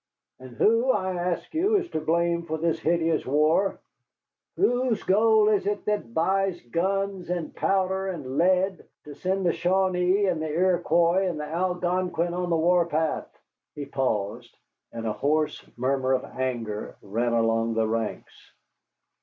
And who, I ask you, is to blame for this hideous war? Whose gold is it that buys guns and powder and lead to send the Shawnee and the Iroquois and Algonquin on the warpath?" He paused, and a hoarse murmur of anger ran along the ranks.